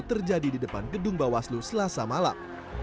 terjadi di depan gedung bawaslu selasa malam